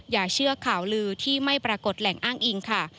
อย่าเชื่อข่าวลือที่ไม่ปรากฏแหล่งอ้างอิงค่ะ